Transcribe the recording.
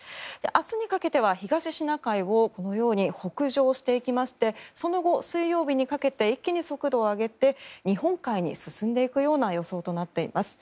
明日にかけては東シナ海をこのように北上していきましてその後、水曜日にかけて一気に速度を上げて日本海に進んでいくような予想となっています。